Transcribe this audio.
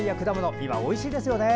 今、おいしいですよね。